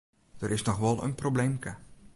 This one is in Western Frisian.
Der is noch wol in probleemke.